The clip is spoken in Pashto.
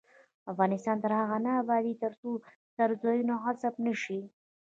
افغانستان تر هغو نه ابادیږي، ترڅو څرځایونه غصب نشي.